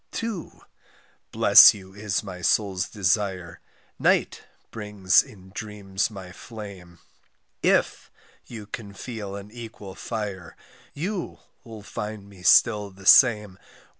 =To= bless you is my soul's desire, =Night= brings in dreams my flame, =If= you can feel an equal fire, =You= 'll find me still the same.